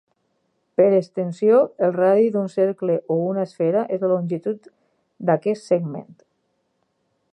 Per extensió, el radi d'un cercle o una esfera és la longitud d'aquest segment.